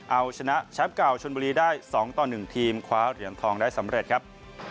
เอาชนะแชมป์เก่าชนบุรีได้๒ต่อ๑ทีมคว้าเหรียญทองได้สำเร็จครับ